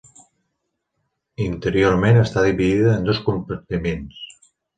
Interiorment està dividida en dos compartiments.